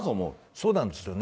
そうなんですよね。